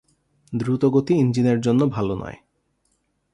দ্রুত গতি ইঞ্জিনের জন্য ভাল নয়।